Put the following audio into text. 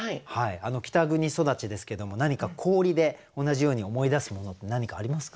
北国育ちですけども何か氷で同じように思い出すものって何かありますか？